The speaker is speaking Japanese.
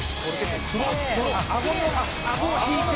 「あっあごを引いて」